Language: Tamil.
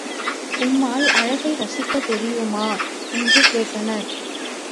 உம்மால் அழகை ரசிக்கத் தெரியுமா? என்று கேட்டனர்.